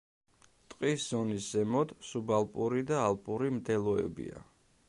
ტყის ზონის ზემოთ სუბალპური და ალპური მდელოებია.